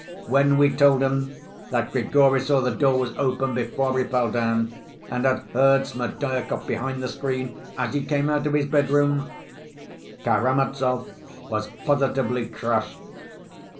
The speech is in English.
When we told him that Grigory saw the door was open before he fell down, and had heard Smerdyakov behind the screen as he came out of his bedroom—Karamazov was positively crushed.